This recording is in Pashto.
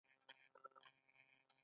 بیا دوه بجې یوې داسې فابرېکې ته لاړم.